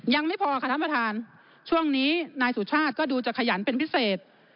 ยังไม่พอค่ะท่านประธานช่วงนี้นายสุชาติก็ดูจะขยันเป็นพิเศษ